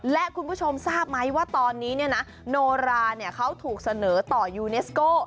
และคุณผู้ชมทราบไหมว่าตอนนี้โนราเขาถูกเสนอต่อยูเนสโก้